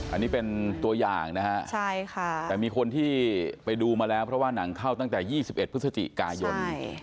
อันนี้เป็นตัวอย่างนะฮะแต่มีคนที่ไปดูมาแล้วเพราะว่าหนังเข้าตั้งแต่๒๑พฤศจิกายน